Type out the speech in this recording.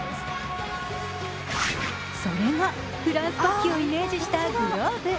それが、フランス国旗をイメージしたグローブ。